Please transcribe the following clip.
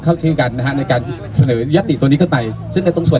เข้าชื่อกันนะฮะในการเสนอยัตติตัวนี้เข้าไปซึ่งในตรงส่วน